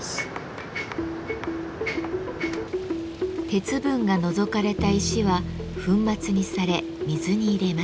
鉄分が除かれた石は粉末にされ水に入れます。